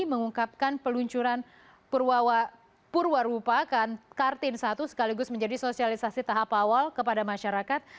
mengungkapkan peluncuran purwarupa kartin satu sekaligus menjadi sosialisasi tahap awal kepada masyarakat